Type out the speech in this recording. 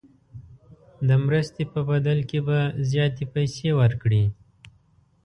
د مرستې په بدل کې به زیاتې پیسې ورکړي.